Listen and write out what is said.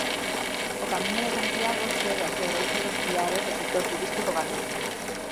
O Camiño de Santiago segue a ser outro dos piares do sector turístico galego.